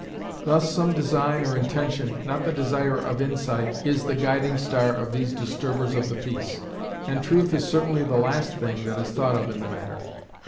Thus some design or intention, not the desire of insight, is the guiding star of these disturbers of the peace, and truth is certainly the last thing that is thought of in the matter.